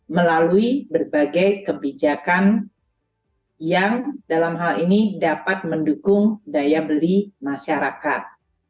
melalui berbagai kebijakan yang dalam hal ini dapat mendukung daya beli masyarakat